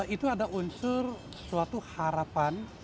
itu ada unsur suatu harapan